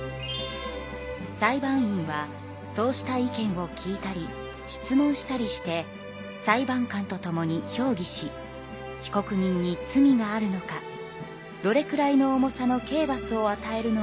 裁判員はそうした意見を聞いたり質問したりして裁判官と共に評議し被告人に罪があるのかどれくらいの重さの刑罰をあたえるのがよいのか話し合い